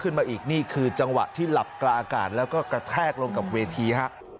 มาอีกนี่คือจังหวะที่หลับกลางอากาศแล้วก็กระแทกลงกับเวทีฮะ